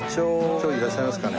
今日いらっしゃいますかね？